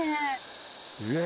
えっ！